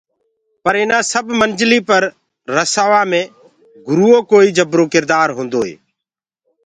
پر اِنآ سب منجليٚ پر رسآوآ مي گُرو ڪوئي جبرو ڪِردآر هوندو هي۔